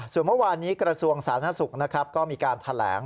ส่วนเมื่อวานนี้กระทรวงสาธารณสุขนะครับก็มีการแถลง